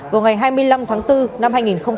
vào ngày hai mươi năm tháng bốn năm hai nghìn hai mươi